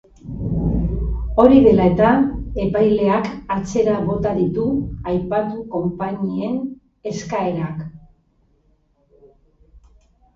Hori dela eta, epaileak atzera bota ditu aipatu konpainien eskaerak.